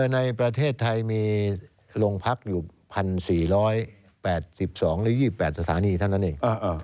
ในประเทศไทยมีโรงพักอยู่๑๔๘๒หรือ๒๘สถานีเท่านั้นเอง